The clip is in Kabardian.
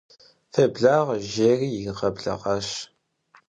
Феблагъэ, жери иригъэблэгъащ.